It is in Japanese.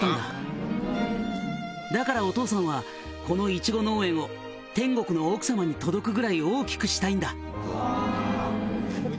「だからお父さんはこのいちご農園を天国の奥様に届くぐらい大きくしたいんだ」